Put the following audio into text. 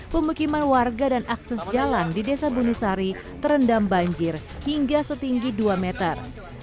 pemukiman warga dan akses jalan di desa bunisari terendam banjir hingga setinggi dua meter